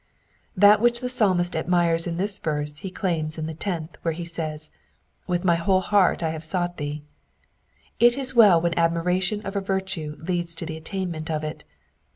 That which the Psalmist admires in this verse he claims in the tenth, where he says, With my whole heart have I sought thee." It is well u^hen admiration of a virtue leads to the attainment of it.